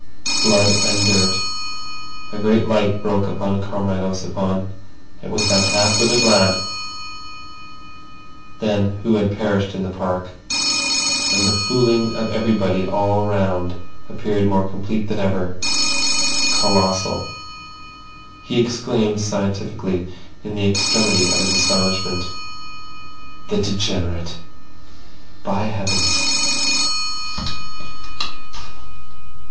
Blood and dirt." A great light broke upon Comrade Ossipon. It was that half witted lad then who had perished in the park. And the fooling of everybody all round appeared more complete than ever—colossal. He exclaimed scientifically, in the extremity of his astonishment: "The degenerate—by heavens!"